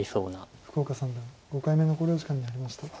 福岡三段５回目の考慮時間に入りました。